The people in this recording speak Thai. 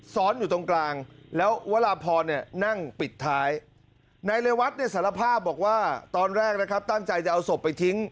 ซ้อนอยู่ตรงกลางแล้วลาพอนั่นตอนแรกนะครับตั้งใจจะเอาศพไปทิ้ง